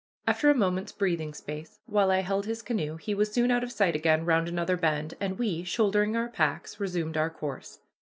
After a moment's breathing space, while I held his canoe, he was soon out of sight again around another bend, and we, shouldering our packs, resumed our course.